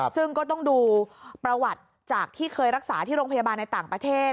ซึ่งก็ต้องดูประวัติจากที่เคยรักษาที่โรงพยาบาลในต่างประเทศ